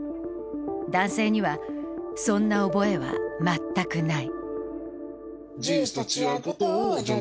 男性には、そんな覚えは全くない。